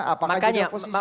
apakah jenis posisi